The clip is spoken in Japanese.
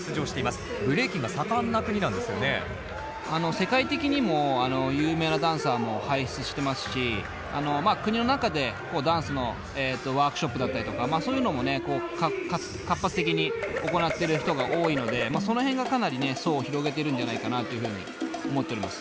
世界的にも有名なダンサーも輩出してますし国の中でダンスのワークショップだったりとかそういうのも活発的に行っている人が多いのでその辺がかなり層を広げているんじゃないかなというふうに思っております。